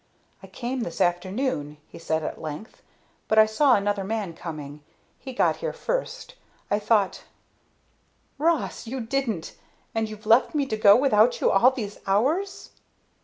"I came this afternoon," he said at length, "but I saw another man coming. He got here first. I thought " "Ross! You didn't! And you've left me to go without you all these hours!"